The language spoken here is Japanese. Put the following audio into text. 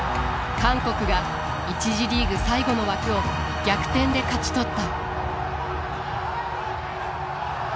韓国が一次リーグ最後の枠を逆転で勝ち取った。